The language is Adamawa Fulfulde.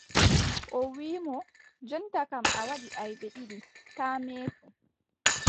O wiʼi mo: jonta kam, a waɗi aybe ɗiɗi taa meetu.